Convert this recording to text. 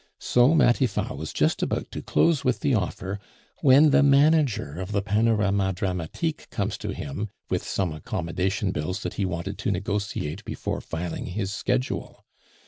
So Matifat was just about to close with the offer, when the manager of the Panorama Dramatique comes to him with some accommodation bills that he wanted to negotiate before filing his schedule.